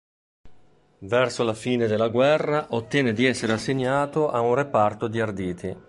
Verso la fine della guerra ottenne di essere assegnato a un reparto di arditi.